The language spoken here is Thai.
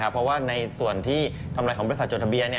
เพราะว่าในส่วนที่กำไรของบริษัทจดทะเบียน